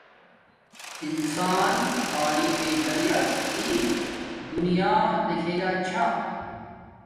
انسان تعلیم میݵ زریعس ای دنیا دکھے گاچھا